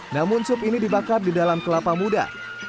namun sup ini dibakar di dalam kelapa muda